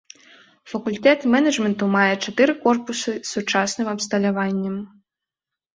Факультэт менеджменту мае чатыры корпусы з сучасным абсталяваннем.